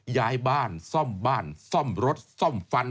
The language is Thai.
ย้ายบ้านซ่อมบ้านซ่อมรถซ่อมฟัน